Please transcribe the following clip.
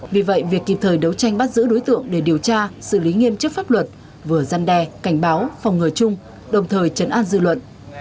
vì vậy việc kịp thời đấu tranh bắt giữ đối tượng để điều tra xử lý nghiêm chức pháp luật vừa giăn đe cảnh báo phòng ngừa chung đồng thời chấn an dư luận